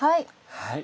はい。